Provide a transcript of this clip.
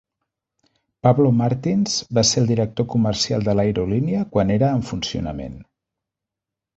Pablo Martins va ser el director comercial de l'aerolínia quan era en funcionament.